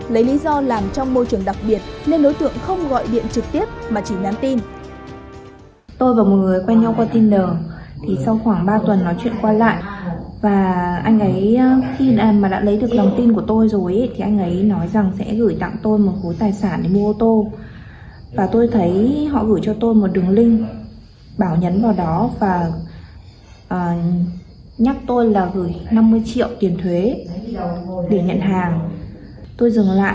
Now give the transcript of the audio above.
lấy lý do làm trong môi trường đặc biệt nên đối tượng không gọi điện trực tiếp mà chỉ nhắn tin